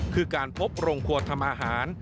คือการพบโรงครัวทำอาหาร